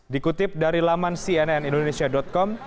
dikutip dari laman cnnindonesia com